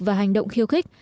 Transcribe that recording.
và hành động khiêu khích